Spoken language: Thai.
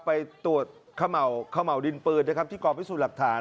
ไปตรวจเข้าเหมาดินปืนนะครับที่ก่อไปสู่หลักฐาน